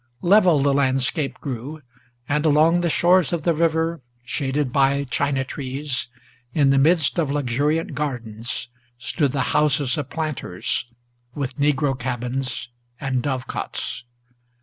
Level the landscape grew, and along the shores of the river, Shaded by china trees, in the midst of luxuriant gardens, Stood the houses of planters, with negro cabins and dove cots.